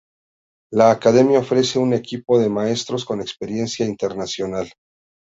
La academia ofrece un equipo de maestros con experiencia internacional.